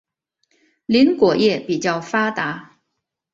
林果业比较发达。